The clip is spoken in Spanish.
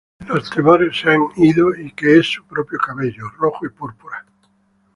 Los temores se han ido y que es su propio cabello, rojo y púrpura.